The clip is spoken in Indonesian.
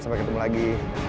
sampai ketemu lagi